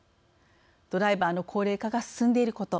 ドライバーの高齢化が進んでいること。